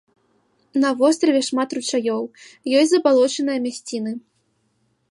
На востраве шмат ручаёў, ёсць забалочаныя мясціны.